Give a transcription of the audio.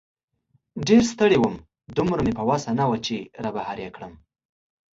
ډېر ستړی وم، دومره مې په وسه نه وه چې را بهر یې کړم.